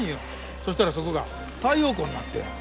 そしたらそこが太陽光になったんや。